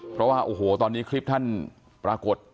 เพราะว่าโอ้โหตอนนี้คลิปท่านปรากฏ